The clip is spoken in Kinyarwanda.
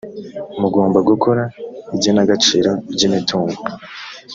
mugomba gukora igenagaciro ry imitungo.